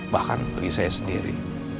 bahkan bagi saya sendiri